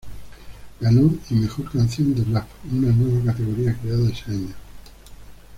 Ganó y Mejor canción de rap, una nueva categoría creada ese año.